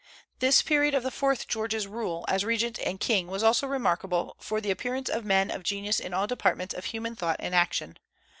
This period of the fourth George's rule, as regent and king, was also remarkable for the appearance of men of genius in all departments of human thought and action.